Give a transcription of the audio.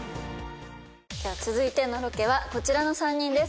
では続いてのロケはこちらの３人です。